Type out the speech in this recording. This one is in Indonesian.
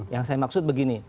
yang saya maksud begini